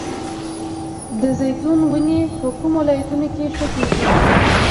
د زیتون ونې په کومو ولایتونو کې ښه کیږي؟